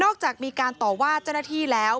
จากมีการต่อว่าเจ้าหน้าที่แล้ว